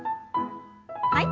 はい。